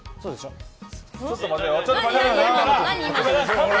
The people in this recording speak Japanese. ちょっと待って！